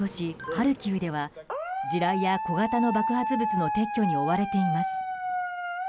ハルキウでは地雷や小型の爆発物の撤去に追われています。